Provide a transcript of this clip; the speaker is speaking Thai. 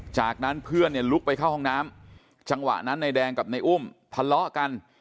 จากนั้นเพื่อนเนี่ยลุกไปเข้าห้องน้ำจังหวะนั้นนายแดงกับในอุ้มทะเลาะกัน